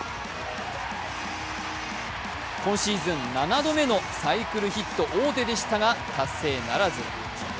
今シーズン７度目のサイクルヒット王手でしたが達成ならず。